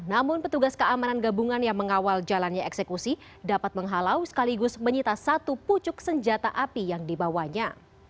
namun petugas keamanan gabungan yang mengawal jalannya eksekusi dapat menghalau sekaligus menyita satu pucuk senjata api yang dibawanya